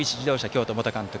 京都元監督